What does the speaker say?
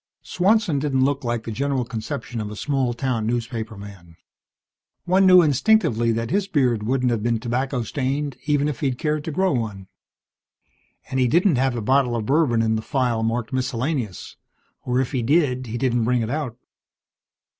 Swanson didn't look like the general conception of a small town newspaperman. One knew instinctively that his beard wouldn't have been tobacco stained even if he'd cared to grow one. And he didn't have a bottle of bourbon in the file marked Miscellaneous, or if he did he didn't bring it out.